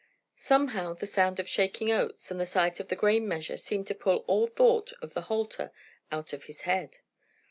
Somehow the sound of the shaking oats, and the sight of the grain measure, seemed to put all thought of the halter out of his head.